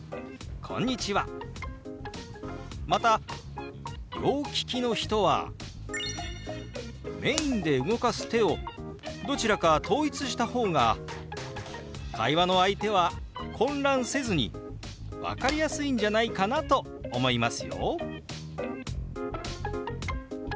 また両利きの人はメインで動かす手をどちらか統一した方が会話の相手は混乱せずに分かりやすいんじゃないかなと思いますよ！